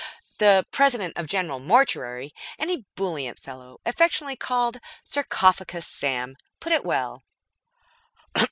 The President of General Mortuary, an ebullient fellow affectionately called Sarcophagus Sam, put it well.